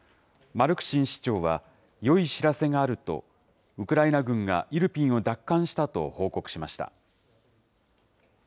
マルクシン市長は、よい知らせがあると、ウクライナ軍がイルピンを奪還したと報告しました。